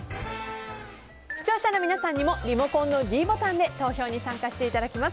視聴者の皆さんにもリモコンのｄボタンで投票に参加していただきます。